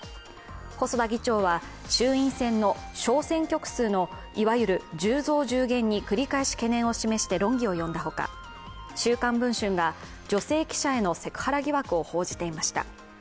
細田議長は、衆院選の小選挙区数のいわゆる１０増１０減に繰り返し懸念を示して論議を呼んだほか、「週刊文春」が女性記者へのセクハラ疑惑を報じていました。